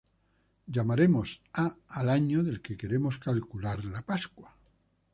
Llamaremos "A" al año del que queremos calcular la Pascua.